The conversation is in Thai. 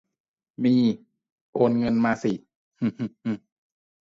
มี โอนเงินมาสิ หึหึหึ